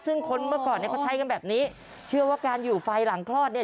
ซึ่งคนเมื่อก่อนเนี่ยเขาใช้กันแบบนี้เชื่อว่าการอยู่ไฟหลังคลอดเนี่ย